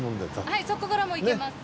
はいそこからも行けます。